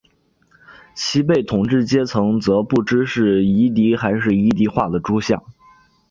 其被统治阶层则不知是夷狄还是夷狄化的诸夏。